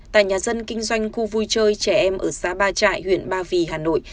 tại nhà dân kinh doanh khu vui chơi trẻ em ở xã ba trại huyện ba vì hà nội